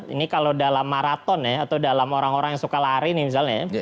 ini kalau dalam maraton ya atau dalam orang orang yang suka lari nih misalnya ya